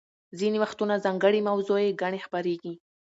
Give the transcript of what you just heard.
ځینې وختونه ځانګړې موضوعي ګڼې خپریږي.